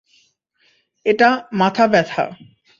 এটা মাথা ব্যাথা।